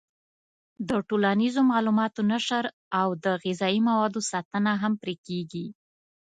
د ټولنیزو معلوماتو نشر او د غذایي موادو ساتنه هم پرې کېږي.